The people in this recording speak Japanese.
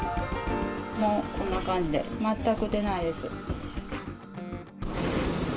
もうこんな感じで、全く出ないです。